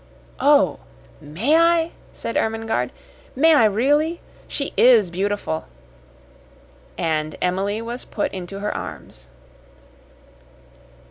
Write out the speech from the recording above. "Oh, may I?" said Ermengarde. "May I, really? She is beautiful!" And Emily was put into her arms.